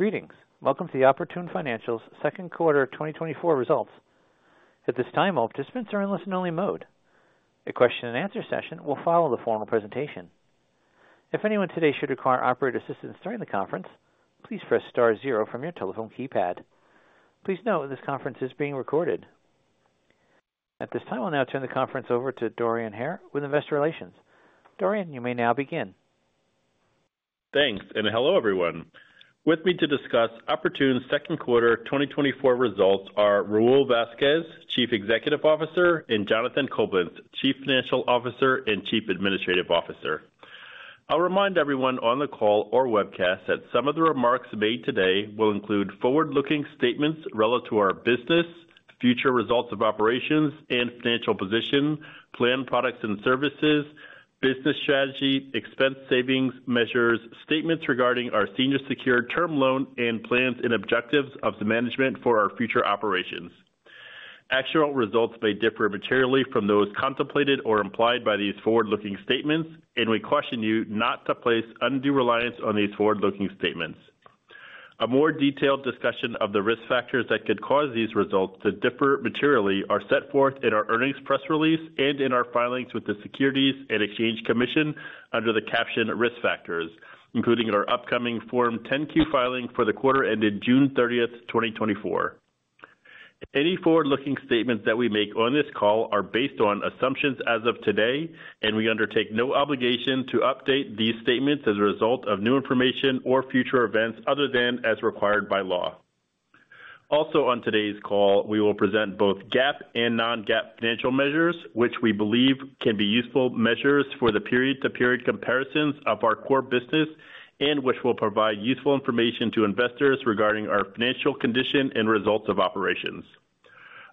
Greetings. Welcome to Oportun Financial's Second Quarter of 2024 Results. At this time, all participants are in listen-only mode. A question and answer session will follow the formal presentation. If anyone today should require operator assistance during the conference, please press star zero from your telephone keypad. Please note, this conference is being recorded. At this time, I'll now turn the conference over to Dorian Hare with Investor Relations. Dorian, you may now begin. Thanks, and hello, everyone. With me to discuss Oportun's second quarter 2024 results are Raul Vazquez, Chief Executive Officer, and Jonathan Coblentz, Chief Financial Officer and Chief Administrative Officer. I'll remind everyone on the call or webcast that some of the remarks made today will include forward-looking statements relative to our business, future results of operations and financial position, planned products and services, business strategy, expense savings measures, statements regarding our senior secured term loan and plans and objectives of the management for our future operations. Actual results may differ materially from those contemplated or implied by these forward-looking statements, and we caution you not to place undue reliance on these forward-looking statements. A more detailed discussion of the risk factors that could cause these results to differ materially are set forth in our earnings press release and in our filings with the Securities and Exchange Commission under the caption Risk Factors, including in our upcoming Form 10-Q filing for the quarter ended June 30, 2024. Any forward-looking statements that we make on this call are based on assumptions as of today, and we undertake no obligation to update these statements as a result of new information or future events other than as required by law. Also, on today's call, we will present both GAAP and non-GAAP financial measures, which we believe can be useful measures for the period-to-period comparisons of our core business, and which will provide useful information to investors regarding our financial condition and results of operations.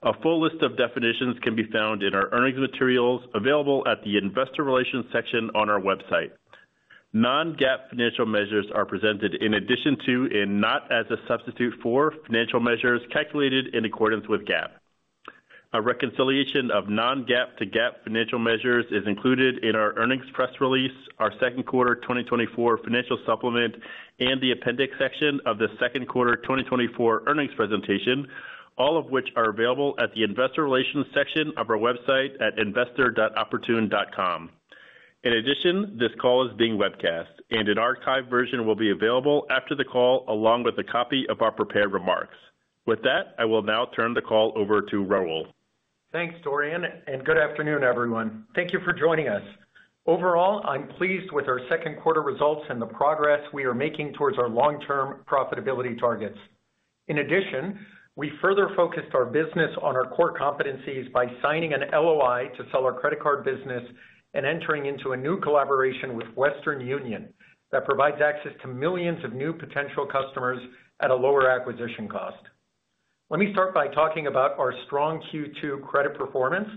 A full list of definitions can be found in our earnings materials, available at the investor relations section on our website. Non-GAAP financial measures are presented in addition to, and not as a substitute for, financial measures calculated in accordance with GAAP. A reconciliation of non-GAAP to GAAP financial measures is included in our earnings press release, our second quarter 2024 financial supplement, and the appendix section of the second quarter 2024 earnings presentation, all of which are available at the investor relations section of our website at investor.oportun.com. In addition, this call is being webcast, and an archived version will be available after the call, along with a copy of our prepared remarks. With that, I will now turn the call over to Raul. Thanks, Dorian, and good afternoon, everyone. Thank you for joining us. Overall, I'm pleased with our second quarter results and the progress we are making towards our long-term profitability targets. In addition, we further focused our business on our core competencies by signing an LOI to sell our credit card business and entering into a new collaboration with Western Union that provides access to millions of new potential customers at a lower acquisition cost. Let me start by talking about our strong Q2 credit performance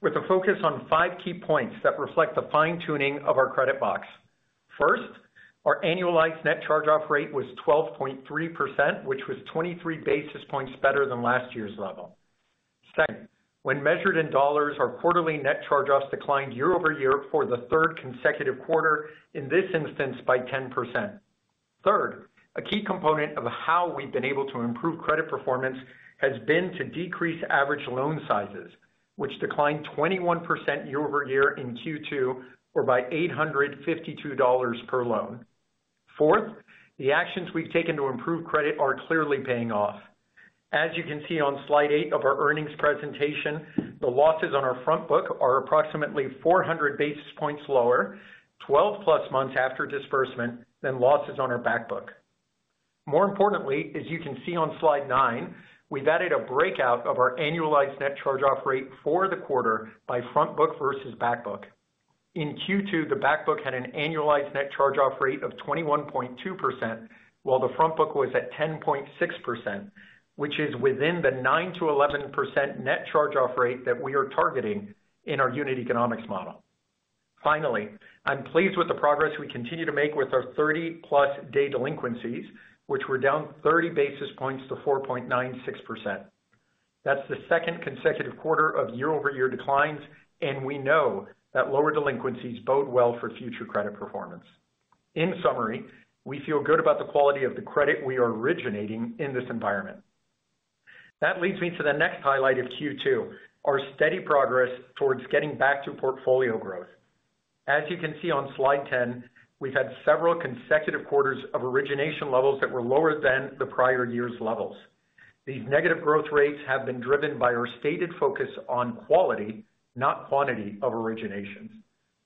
with a focus on 5 key points that reflect the fine-tuning of our credit box. First, our annualized net charge-off rate was 12.3%, which was 23 basis points better than last year's level. Second, when measured in dollars, our quarterly net charge-offs declined year-over-year for the third consecutive quarter, in this instance by 10%. Third, a key component of how we've been able to improve credit performance has been to decrease average loan sizes, which declined 21% year-over-year in Q2, or by $852 per loan. Fourth, the actions we've taken to improve credit are clearly paying off. As you can see on slide 8 of our earnings presentation, the losses on our front book are approximately 400 basis points lower, 12+ months after disbursement than losses on our back book. More importantly, as you can see on slide 9, we've added a breakout of our annualized net charge-off rate for the quarter by front book versus back book. In Q2, the back book had an annualized net charge-off rate of 21.2%, while the front book was at 10.6%, which is within the 9%-11% net charge-off rate that we are targeting in our unit economics model. Finally, I'm pleased with the progress we continue to make with our 30+ day delinquencies, which were down 30 basis points to 4.96%. That's the second consecutive quarter of year-over-year declines, and we know that lower delinquencies bode well for future credit performance. In summary, we feel good about the quality of the credit we are originating in this environment. That leads me to the next highlight of Q2, our steady progress towards getting back to portfolio growth. As you can see on Slide 10, we've had several consecutive quarters of origination levels that were lower than the prior year's levels. These negative growth rates have been driven by our stated focus on quality, not quantity of originations.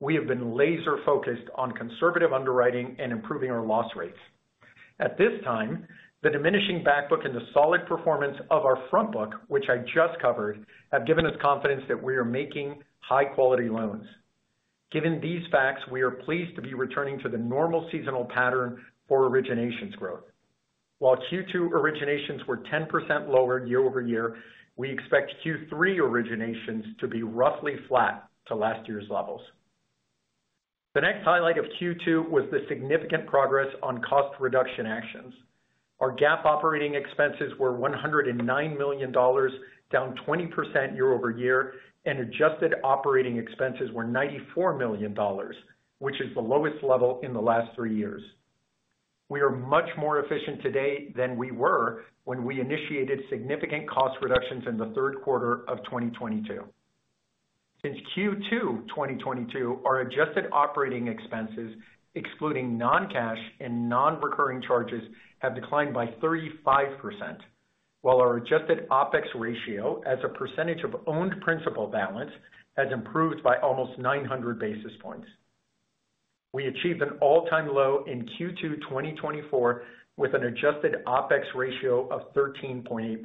We have been laser-focused on conservative underwriting and improving our loss rates. At this time, the diminishing back book and the solid performance of our front book, which I just covered, have given us confidence that we are making high-quality loans. Given these facts, we are pleased to be returning to the normal seasonal pattern for originations growth. While Q2 originations were 10% lower year-over-year, we expect Q3 originations to be roughly flat to last year's levels. The next highlight of Q2 was the significant progress on cost reduction actions.... Our GAAP operating expenses were $109 million, down 20% year-over-year, and adjusted operating expenses were $94 million, which is the lowest level in the last three years. We are much more efficient today than we were when we initiated significant cost reductions in the third quarter of 2022. Since Q2 2022, our adjusted operating expenses, excluding non-cash and non-recurring charges, have declined by 35%, while our adjusted OpEx ratio, as a percentage of owned principal balance, has improved by almost 900 basis points. We achieved an all-time low in Q2 2024, with an adjusted OpEx ratio of 13.8%.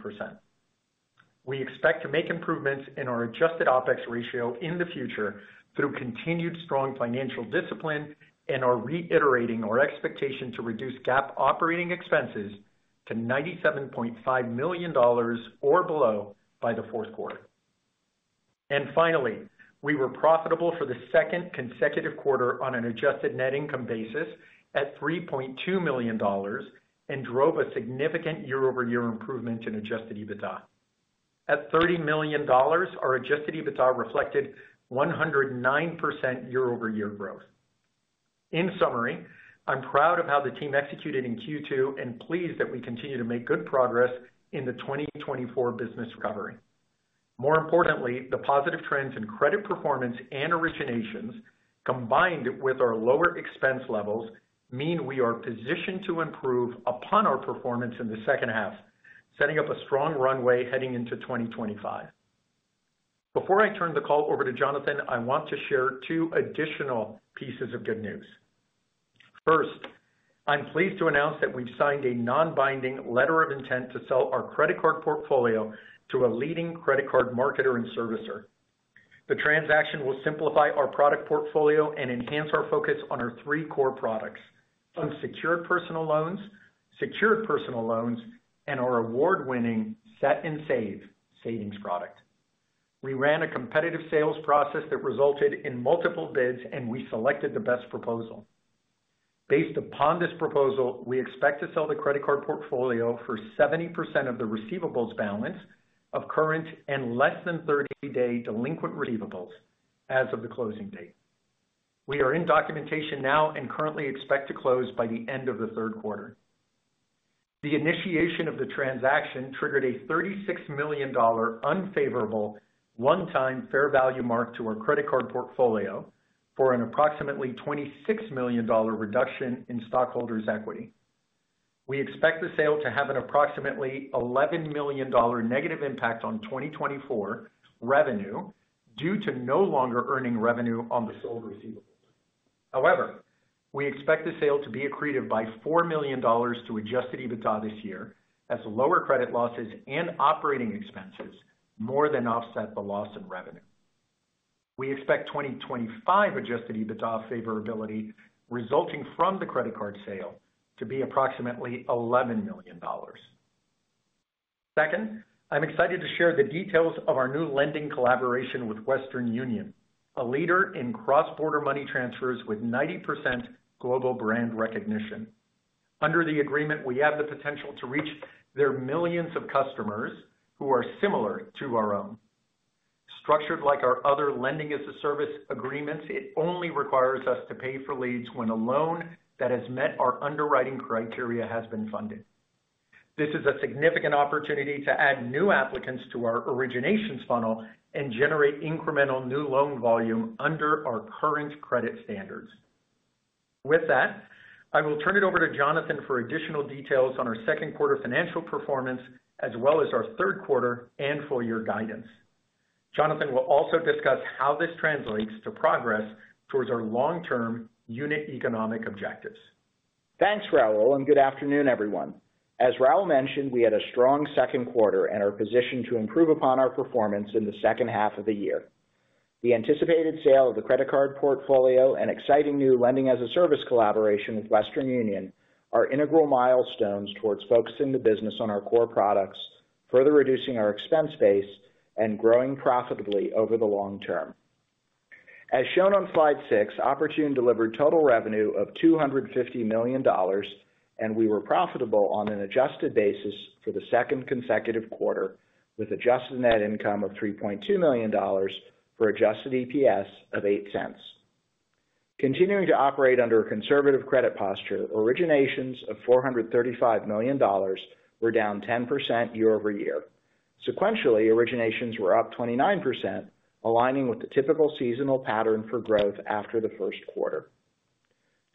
We expect to make improvements in our adjusted OpEx ratio in the future through continued strong financial discipline and are reiterating our expectation to reduce GAAP operating expenses to $97.5 million or below by the fourth quarter. And finally, we were profitable for the second consecutive quarter on an adjusted net income basis at $3.2 million, and drove a significant year-over-year improvement in adjusted EBITDA. At $30 million, our adjusted EBITDA reflected 109% year-over-year growth. In summary, I'm proud of how the team executed in Q2 and pleased that we continue to make good progress in the 2024 business recovery. More importantly, the positive trends in credit performance and originations, combined with our lower expense levels, mean we are positioned to improve upon our performance in the second half, setting up a strong runway heading into 2025. Before I turn the call over to Jonathan, I want to share two additional pieces of good news. First, I'm pleased to announce that we've signed a non-binding letter of intent to sell our credit card portfolio to a leading credit card marketer and servicer. The transaction will simplify our product portfolio and enhance our focus on our three core products: unsecured personal loans, secured personal loans, and our award-winning Set & Save savings product. We ran a competitive sales process that resulted in multiple bids, and we selected the best proposal. Based upon this proposal, we expect to sell the credit card portfolio for 70% of the receivables balance of current and less than 30-day delinquent receivables as of the closing date. We are in documentation now and currently expect to close by the end of the third quarter. The initiation of the transaction triggered a $36 million unfavorable one-time fair value mark to our credit card portfolio for an approximately $26 million reduction in stockholders' equity. We expect the sale to have an approximately $11 million negative impact on 2024 revenue due to no longer earning revenue on the sold receivables. However, we expect the sale to be accretive by $4 million to Adjusted EBITDA this year, as lower credit losses and operating expenses more than offset the loss in revenue. We expect 2025 Adjusted EBITDA favorability resulting from the credit card sale to be approximately $11 million. Second, I'm excited to share the details of our new lending collaboration with Western Union, a leader in cross-border money transfers with 90% global brand recognition. Under the agreement, we have the potential to reach their millions of customers who are similar to our own. Structured like our other lending-as-a-service agreements, it only requires us to pay for leads when a loan that has met our underwriting criteria has been funded. This is a significant opportunity to add new applicants to our originations funnel and generate incremental new loan volume under our current credit standards. With that, I will turn it over to Jonathan for additional details on our second quarter financial performance, as well as our third quarter and full year guidance. Jonathan will also discuss how this translates to progress towards our long-term unit economic objectives. Thanks, Raul, and good afternoon, everyone. As Raul mentioned, we had a strong second quarter and are positioned to improve upon our performance in the second half of the year. The anticipated sale of the credit card portfolio and exciting new Lending-as-a-Service collaboration with Western Union are integral milestones towards focusing the business on our core products, further reducing our expense base, and growing profitably over the long term. As shown on slide 6, Oportun delivered total revenue of $250 million, and we were profitable on an adjusted basis for the second consecutive quarter, with adjusted net income of $3.2 million for adjusted EPS of $0.08. Continuing to operate under a conservative credit posture, originations of $435 million were down 10% year-over-year. Sequentially, originations were up 29%, aligning with the typical seasonal pattern for growth after the first quarter.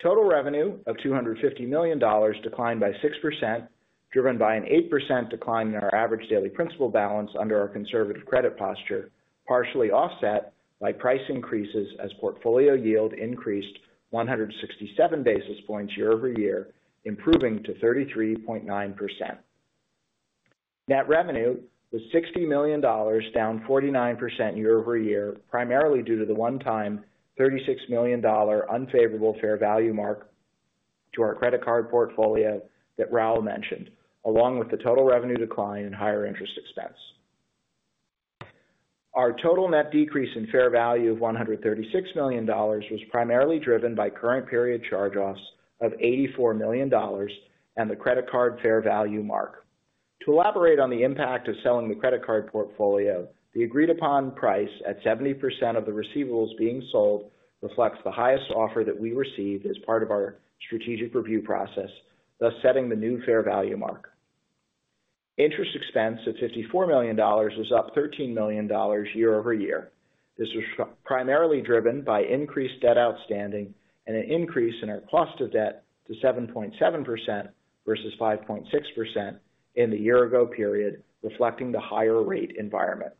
Total revenue of $250 million declined by 6%, driven by an 8% decline in our average daily principal balance under our conservative credit posture, partially offset by price increases as portfolio yield increased 167 basis points year-over-year, improving to 33.9%. Net revenue was $60 million, down 49% year-over-year, primarily due to the one-time $36 million unfavorable fair value mark to our credit card portfolio that Raul mentioned, along with the total revenue decline and higher interest expense.... Our total net decrease in fair value of $136 million was primarily driven by current period charge-offs of $84 million and the credit card fair value mark. To elaborate on the impact of selling the credit card portfolio, the agreed-upon price at 70% of the receivables being sold reflects the highest offer that we received as part of our strategic review process, thus setting the new fair value mark. Interest expense at $54 million was up $13 million year-over-year. This was primarily driven by increased debt outstanding and an increase in our cost of debt to 7.7% versus 5.6% in the year-ago period, reflecting the higher rate environment.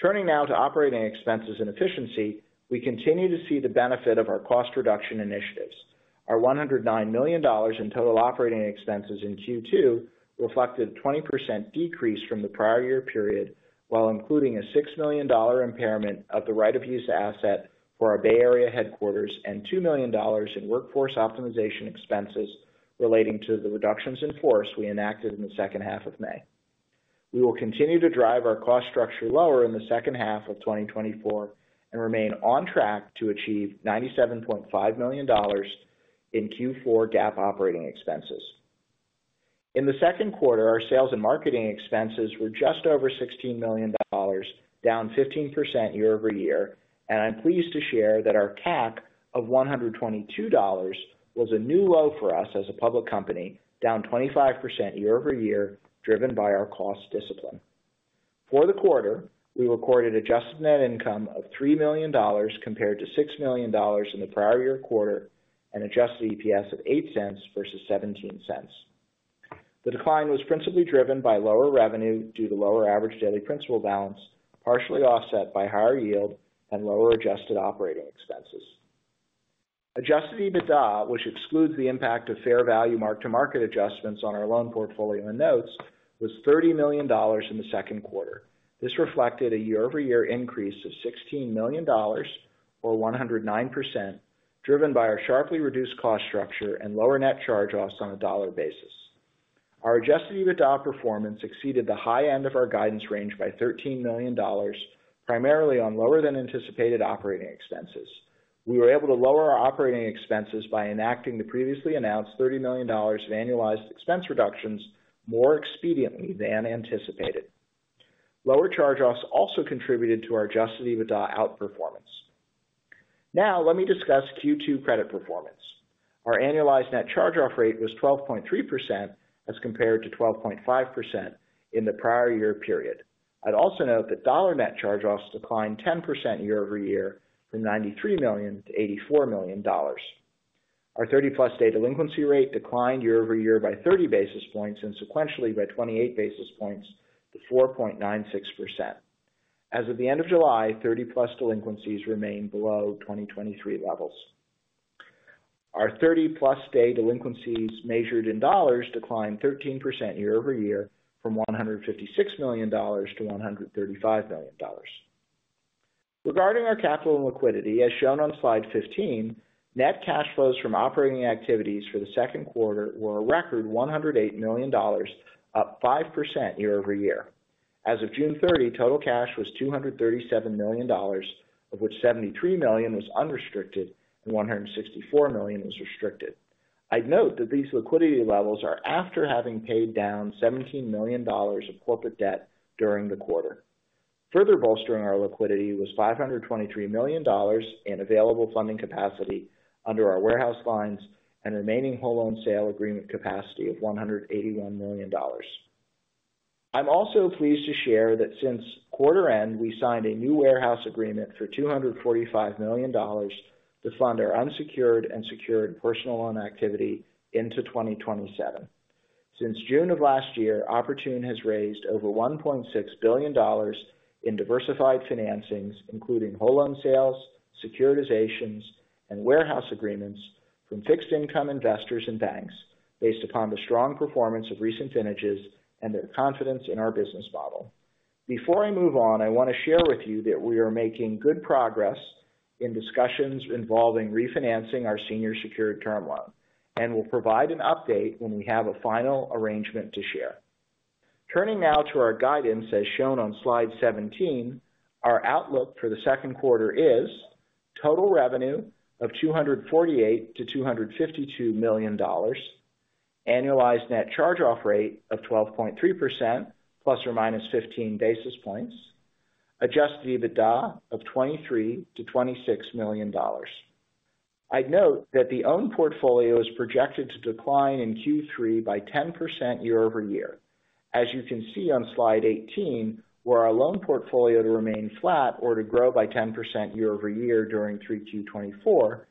Turning now to operating expenses and efficiency, we continue to see the benefit of our cost reduction initiatives. Our $109 million in total operating expenses in Q2 reflected a 20% decrease from the prior year period, while including a $6 million impairment of the right-of-use asset for our Bay Area headquarters and $2 million in workforce optimization expenses relating to the reductions in force we enacted in the second half of May. We will continue to drive our cost structure lower in the second half of 2024 and remain on track to achieve $97.5 million in Q4 GAAP operating expenses. In the second quarter, our sales and marketing expenses were just over $16 million, down 15% year-over-year, and I'm pleased to share that our CAC of $122 was a new low for us as a public company, down 25% year-over-year, driven by our cost discipline. For the quarter, we recorded Adjusted Net Income of $3 million compared to $6 million in the prior year quarter, and adjusted EPS of $0.08 versus $0.17. The decline was principally driven by lower revenue due to lower average daily principal balance, partially offset by higher yield and lower adjusted operating expenses. Adjusted EBITDA, which excludes the impact of fair value mark-to-market adjustments on our loan portfolio and notes, was $30 million in the second quarter. This reflected a year-over-year increase of $16 million, or 109%, driven by our sharply reduced cost structure and lower net charge-offs on a dollar basis. Our Adjusted EBITDA performance exceeded the high end of our guidance range by $13 million, primarily on lower than anticipated operating expenses. We were able to lower our operating expenses by enacting the previously announced $30 million of annualized expense reductions more expediently than anticipated. Lower charge-offs also contributed to our adjusted EBITDA outperformance. Now, let me discuss Q2 credit performance. Our annualized net charge-off rate was 12.3% as compared to 12.5% in the prior year period. I'd also note that dollar net charge-offs declined 10% year-over-year from $93 million-$84 million. Our thirty-plus day delinquency rate declined year-over-year by 30 basis points and sequentially by 28 basis points to 4.96%. As of the end of July, thirty-plus delinquencies remained below 2023 levels. Our thirty-plus day delinquencies, measured in dollars, declined 13% year-over-year from $156 million-$135 million. Regarding our capital and liquidity, as shown on slide 15, net cash flows from operating activities for the second quarter were a record $108 million, up 5% year-over-year. As of June 30, total cash was $237 million, of which $73 million was unrestricted and $164 million was restricted. I'd note that these liquidity levels are after having paid down $17 million of corporate debt during the quarter. Further bolstering our liquidity was $523 million in available funding capacity under our warehouse lines and remaining whole loan sale agreement capacity of $181 million. I'm also pleased to share that since quarter end, we signed a new warehouse agreement for $245 million to fund our unsecured and secured personal loan activity into 2027. Since June of last year, Oportun has raised over $1.6 billion in diversified financings, including whole loan sales, securitizations, and warehouse agreements from fixed income investors and banks based upon the strong performance of recent vintages and their confidence in our business model. Before I move on, I want to share with you that we are making good progress in discussions involving refinancing our senior secured term loan, and we'll provide an update when we have a final arrangement to share. Turning now to our guidance, as shown on slide 17, our outlook for the second quarter is total revenue of $248 million-$252 million, annualized net charge-off rate of 12.3%, ±15 basis points, Adjusted EBITDA of $23 million-$26 million. I'd note that our own portfolio is projected to decline in Q3 by 10% year-over-year. As you can see on Slide 18, were our loan portfolio to remain flat or to grow by 10% year-over-year during 3Q 2024,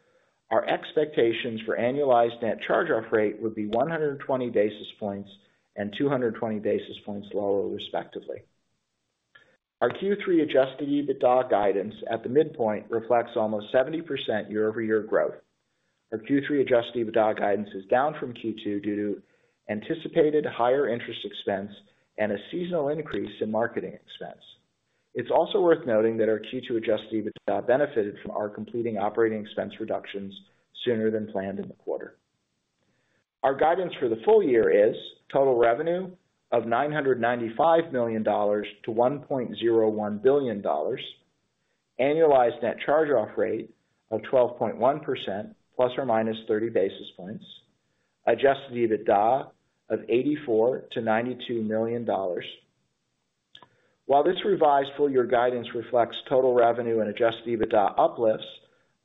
our expectations for annualized net charge-off rate would be 120 basis points and 220 basis points lower, respectively. Our Q3 adjusted EBITDA guidance at the midpoint reflects almost 70% year-over-year growth. Our Q3 adjusted EBITDA guidance is down from Q2 due to anticipated higher interest expense and a seasonal increase in marketing expense. It's also worth noting that our Q2 Adjusted EBITDA benefited from our completing operating expense reductions sooner than planned in the quarter. Our guidance for the full year is total revenue of $995 million-$1.01 billion, annualized net charge-off rate of 12.1% ±30 basis points, Adjusted EBITDA of $84 million-$92 million. While this revised full-year guidance reflects total revenue and Adjusted EBITDA uplifts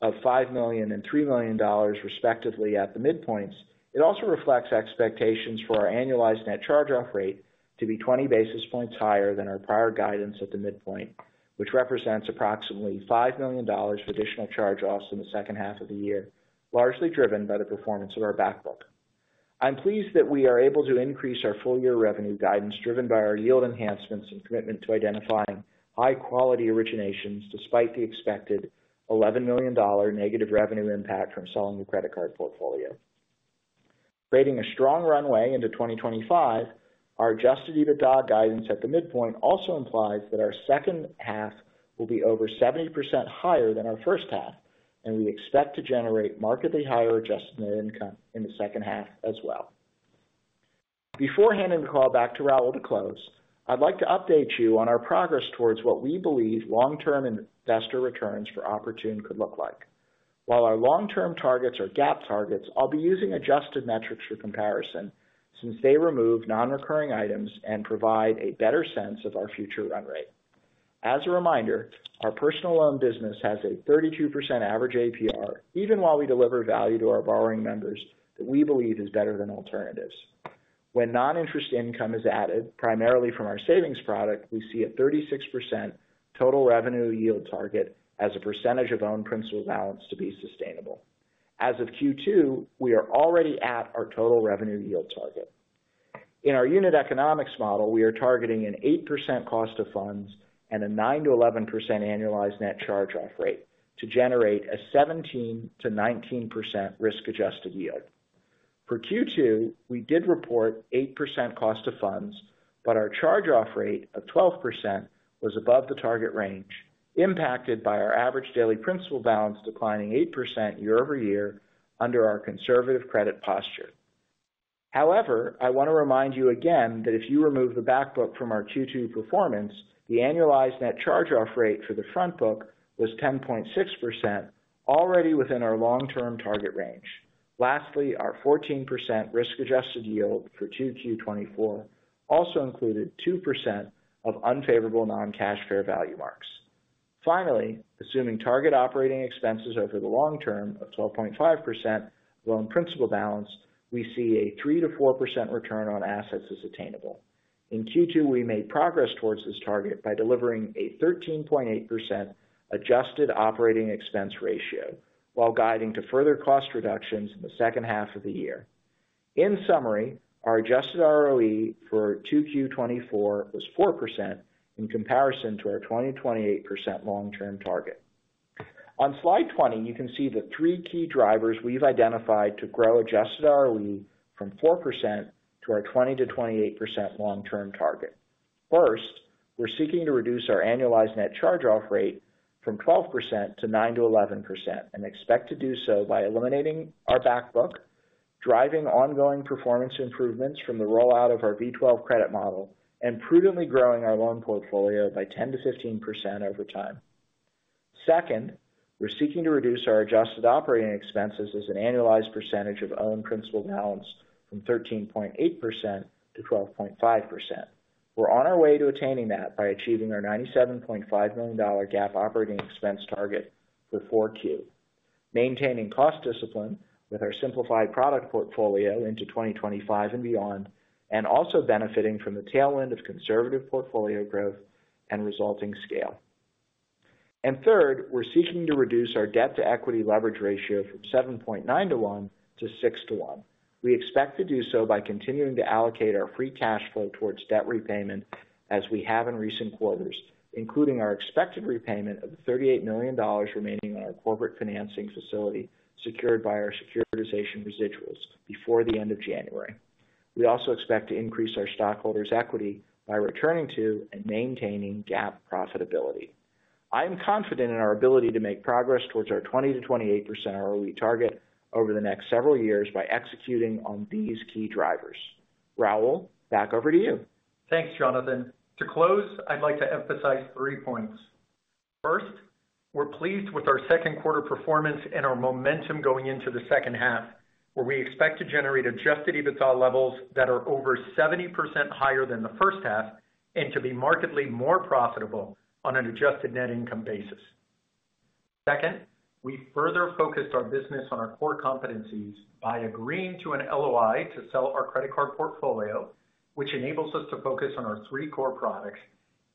of $5 million and $3 million respectively at the midpoints, it also reflects expectations for our annualized net charge-off rate to be 20 basis points higher than our prior guidance at the midpoint, which represents approximately $5 million for additional charge-offs in the second half of the year, largely driven by the performance of our back book. I'm pleased that we are able to increase our full-year revenue guidance, driven by our yield enhancements and commitment to identifying high-quality originations despite the expected $11 million negative revenue impact from selling the credit card portfolio. Creating a strong runway into 2025, our Adjusted EBITDA guidance at the midpoint also implies that our second half will be over 70% higher than our first half, and we expect to generate markedly higher Adjusted Net Income in the second half as well. Before handing the call back to Raul to close, I'd like to update you on our progress towards what we believe long-term investor returns for Oportun could look like. While our long-term targets are GAAP targets, I'll be using adjusted metrics for comparison, since they remove non-recurring items and provide a better sense of our future run rate. As a reminder, our personal loan business has a 32% average APR, even while we deliver value to our borrowing members, that we believe is better than alternatives. When non-interest income is added, primarily from our savings product, we see a 36% total revenue yield target as a percentage of owned principal balance to be sustainable. As of Q2, we are already at our total revenue yield target. In our unit economics model, we are targeting an 8% cost of funds and a 9%-11% annualized net charge-off rate to generate a 17%-19% risk-adjusted yield. For Q2, we did report 8% cost of funds, but our charge-off rate of 12% was above the target range, impacted by our average daily principal balance declining 8% year over year under our conservative credit posture. However, I want to remind you again that if you remove the back book from our Q2 performance, the annualized net charge-off rate for the front book was 10.6%, already within our long-term target range. Lastly, our 14% risk-adjusted yield for 2Q 2024 also included 2% of unfavorable non-cash fair value marks. Finally, assuming target operating expenses over the long term of 12.5% loan principal balance, we see a 3%-4% return on assets is attainable. In Q2, we made progress towards this target by delivering a 13.8% adjusted operating expense ratio, while guiding to further cost reductions in the second half of the year. In summary, our adjusted ROE for 2Q 2024 was 4% in comparison to our 20%-28% long-term target. On Slide 20, you can see the three key drivers we've identified to grow adjusted ROE from 4% to our 20%-28% long-term target. First, we're seeking to reduce our annualized net charge-off rate from 12% to 9%-11% and expect to do so by eliminating our back book, driving ongoing performance improvements from the rollout of our V12 credit model, and prudently growing our loan portfolio by 10%-15% over time. Second, we're seeking to reduce our adjusted operating expenses as an annualized percentage of own principal balance from 13.8%-12.5%. We're on our way to attaining that by achieving our $97.5 million GAAP operating expense target for 4Q, maintaining cost discipline with our simplified product portfolio into 2025 and beyond, and also benefiting from the tail end of conservative portfolio growth and resulting scale. And third, we're seeking to reduce our debt-to-equity leverage ratio from 7.9:1 to 6:1. We expect to do so by continuing to allocate our free cash flow towards debt repayment, as we have in recent quarters, including our expected repayment of $38 million remaining on our corporate financing facility, secured by our securitization residuals before the end of January. We also expect to increase our stockholders' equity by returning to and maintaining GAAP profitability. I am confident in our ability to make progress towards our 20%-28% ROE target over the next several years by executing on these key drivers. Raul, back over to you. Thanks, Jonathan. To close, I'd like to emphasize three points: First, we're pleased with our second quarter performance and our momentum going into the second half, where we expect to generate Adjusted EBITDA levels that are over 70% higher than the first half and to be markedly more profitable on an Adjusted Net Income basis. Second, we further focused our business on our core competencies by agreeing to an LOI to sell our credit card portfolio, which enables us to focus on our three core products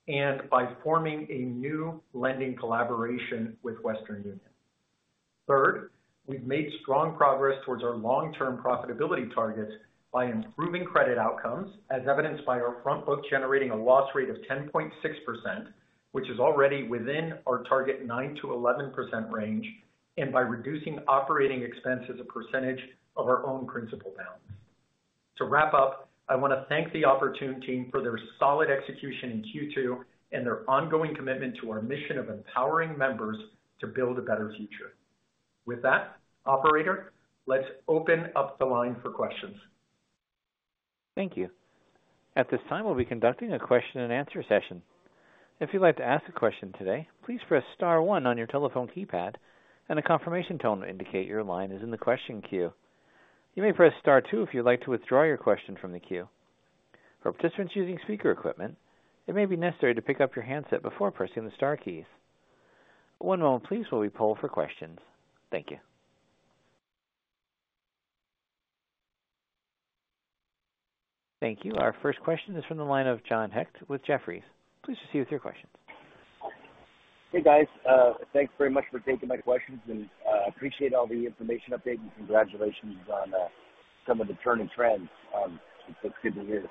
and by forming a new lending collaboration with Western Union. Third, we've made strong progress towards our long-term profitability targets by improving credit outcomes, as evidenced by our front book generating a loss rate of 10.6%, which is already within our target 9%-11% range, and by reducing operating expense as a percentage of our own principal balance. To wrap up, I want to thank the Oportun team for their solid execution in Q2, and their ongoing commitment to our mission of empowering members to build a better future. With that, operator, let's open up the line for questions. Thank you. At this time, we'll be conducting a question-and-answer session. If you'd like to ask a question today, please press star one on your telephone keypad, and a confirmation tone to indicate your line is in the question queue. You may press star two if you'd like to withdraw your question from the queue. For participants using speaker equipment, it may be necessary to pick up your handset before pressing the star keys. One moment please, while we poll for questions. Thank you. Thank you. Our first question is from the line of John Hecht with Jefferies. Please proceed with your question. Hey, guys. Thanks very much for taking my questions, and appreciate all the information update, and congratulations on some of the turning trends. It's good to hear.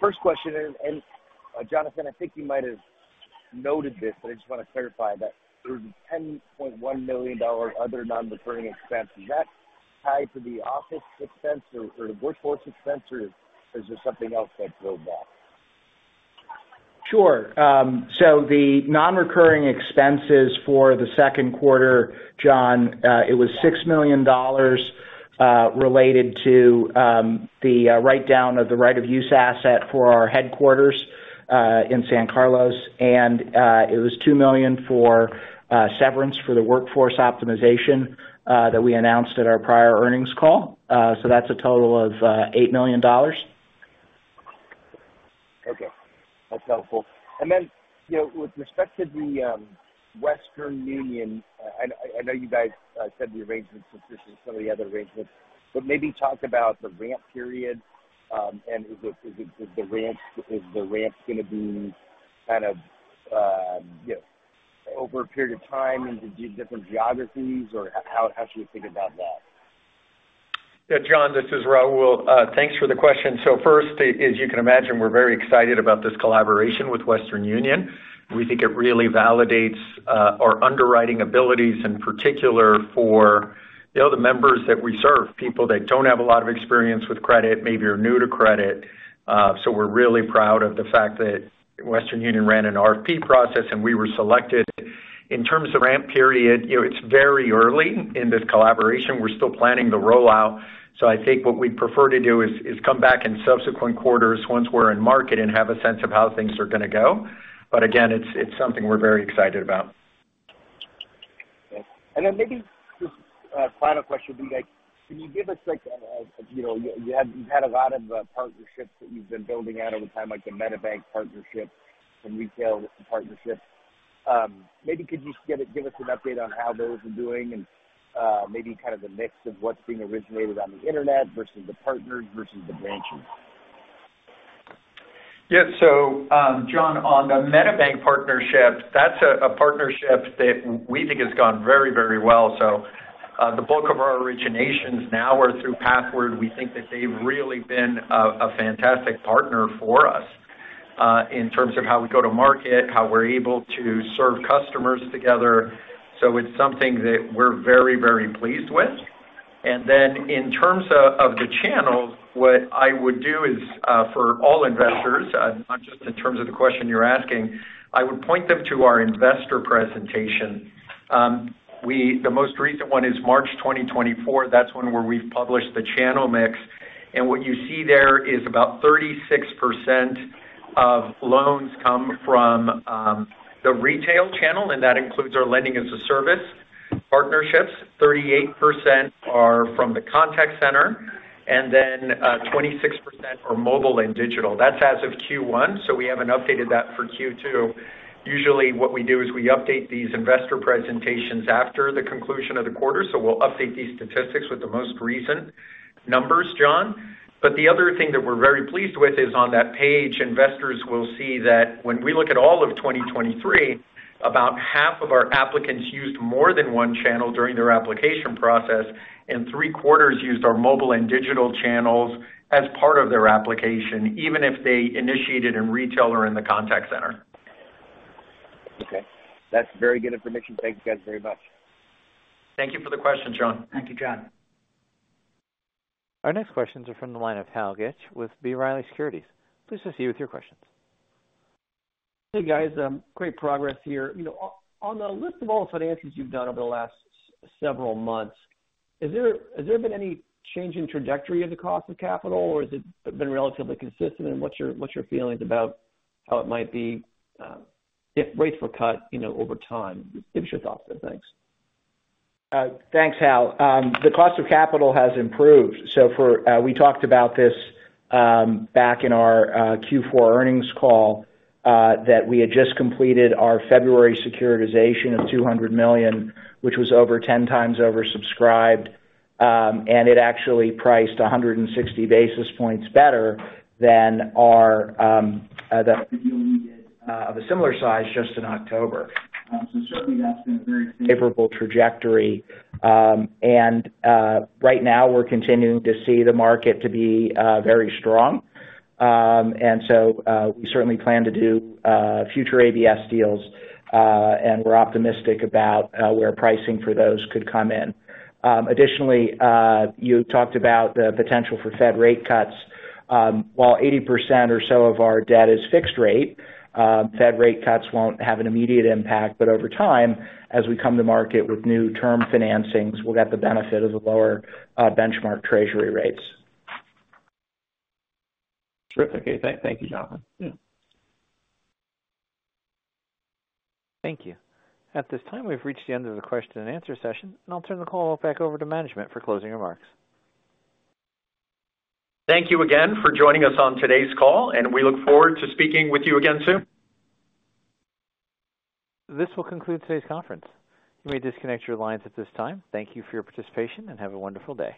First question, and Jonathan, I think you might have noted this, but I just want to clarify that there's $10.1 million other non-recurring expense. Is that tied to the office expense or the workforce expense, or is there something else that drove that? Sure. So the non-recurring expenses for the second quarter, John, it was $6 million, related to the write-down of the right-of-use asset for our headquarters in San Carlos, and it was $2 million for severance for the workforce optimization that we announced at our prior earnings call. So that's a total of $8 million. Okay. That's helpful. And then, you know, with respect to the Western Union, I know you guys said the arrangement is sufficient, some of the other arrangements, but maybe talk about the ramp period, and is the ramp gonna be kind of, you know, over a period of time into different geographies, or how should we think about that? Yeah, John, this is Raul. Thanks for the question. So first, as you can imagine, we're very excited about this collaboration with Western Union. We think it really validates our underwriting abilities, in particular for, you know, the members that we serve. People that don't have a lot of experience with credit, maybe are new to credit. So we're really proud of the fact that Western Union ran an RFP process, and we were selected. In terms of ramp period, you know, it's very early in this collaboration. We're still planning the rollout, so I think what we'd prefer to do is come back in subsequent quarters once we're in market and have a sense of how things are gonna go. But again, it's something we're very excited about. Okay. And then maybe just a final question for you guys. Can you give us, like, you know, you've had a lot of partnerships that you've been building out over time, like the MetaBank partnership, some retail partnerships. Maybe could you just give us an update on how those are doing and maybe kind of the mix of what's being originated on the internet versus the partners versus the branches? Yeah. So, John, on the MetaBank partnership, that's a partnership that we think has gone very, very well. So, the bulk of our originations now are through Pathward. We think that they've really been a fantastic partner for us, in terms of how we go to market, how we're able to serve customers together. So it's something that we're very, very pleased with. And then, in terms of the channels, what I would do is, for all investors, not just in terms of the question you're asking, I would point them to our investor presentation. The most recent one is March 2024. That's when we've published the channel mix, and what you see there is about 36% of loans come from the retail channel, and that includes our Lending-as-a-Service partnerships. 38% are from the contact center, and then, twenty-six percent are mobile and digital. That's as of Q1, so we haven't updated that for Q2. Usually, what we do is we update these investor presentations after the conclusion of the quarter, so we'll update these statistics with the most recent numbers, John. But the other thing that we're very pleased with is on that page, investors will see that when we look at all of 2023, about half of our applicants used more than one channel during their application process, and three quarters used our mobile and digital channels as part of their application, even if they initiated in retail or in the contact center. Okay. That's very good information. Thank you, guys, very much. Thank you for the question, John. Thank you, John. Our next questions are from the line of Hal Goetsch with B. Riley Securities. Please proceed with your questions. Hey, guys. Great progress here. You know, on the list of all the financings you've done over the last several months, has there been any change in trajectory of the cost of capital, or has it been relatively consistent? And what's your feelings about how it might be, if rates were cut, you know, over time? Just give us your thoughts there. Thanks. Thanks, Hal. The cost of capital has improved. So, we talked about this back in our Q4 earnings call that we had just completed our February securitization of $200 million, which was over 10 times oversubscribed, and it actually priced 160 basis points better than our of a similar size just in October. So certainly that's been a very favorable trajectory. And right now, we're continuing to see the market to be very strong. And so, we certainly plan to do future ABS deals, and we're optimistic about where pricing for those could come in. Additionally, you talked about the potential for Fed rate cuts. While 80% or so of our debt is fixed rate, Fed rate cuts won't have an immediate impact, but over time, as we come to market with new term financings, we'll get the benefit of the lower benchmark treasury rates. Terrific. Okay, thank you, Jonathan. Yeah. Thank you. At this time, we've reached the end of the question and answer session, and I'll turn the call back over to management for closing remarks. Thank you again for joining us on today's call, and we look forward to speaking with you again soon. This will conclude today's conference. You may disconnect your lines at this time. Thank you for your participation, and have a wonderful day.